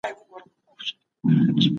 دا تر هغه لوی دئ.